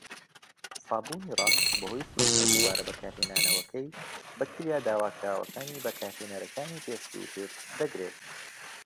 سابوونی ڕەق، بەهۆی سروشتە دووبارە بەکارهێنانەوەکەی، بەکتریا داواکراوەکانی بەکارهێنەرەکانی پێشووتر دەگرێت.